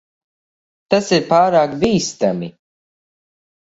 Tas ir pārāk bīstami.